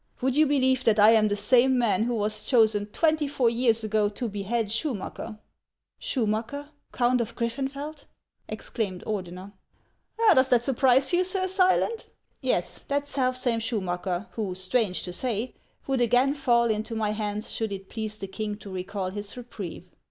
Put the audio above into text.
Would you believe that I am the same man who was chosen twenty four years ago to behead Schumacker ?"" Schumacker, Count of Griffenfeld !" exclaimed Ordener. HANS OF ICELAND. 153 " Does that surprise you, Sir Silent ? Yes, that selfsame Sclmmacker who, strange to say, would again fall into my hands should it please the king to recall his reprieve.